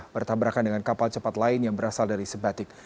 bertabrakan dengan kapal cepat lain yang berasal dari sebatik